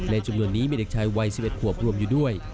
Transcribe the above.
จำนวนนี้มีเด็กชายวัย๑๑ขวบรวมอยู่ด้วย